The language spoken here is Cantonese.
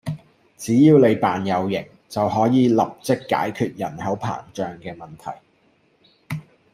只要你扮有型，就可以立刻解決人口膨脹嘅問題